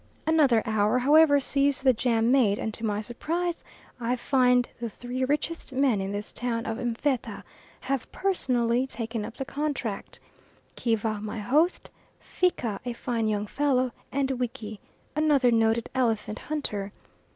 Another hour however sees the jam made, and to my surprise I find the three richest men in this town of M'fetta have personally taken up the contract Kiva my host, Fika a fine young fellow, and Wiki, another noted elephant hunter.